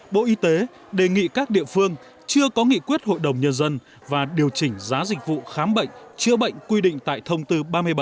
bộ y tế đề nghị các địa phương chưa có nghị quyết hội đồng nhân dân và điều chỉnh giá dịch vụ khám bệnh chữa bệnh quy định tại thông tư ba mươi bảy